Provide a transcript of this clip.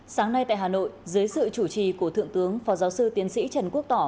sáng nay tại hà nội dưới sự chủ trì của thượng tướng phó giáo sư tiến sĩ trần quốc tỏ